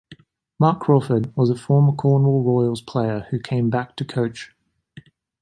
Marc Crawford was a former Cornwall Royals player who came back to coach.